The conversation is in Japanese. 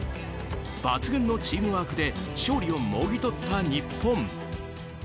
抜群のチームワークで勝利をもぎ取った日本。